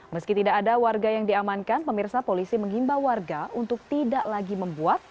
meski tidak ada warga yang diamankan pemirsa polisi menghimbau warga untuk tidak lagi membuat